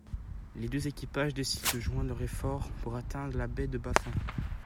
Les deux équipages décident de joindre leurs efforts pour atteindre la Baie de Baffin.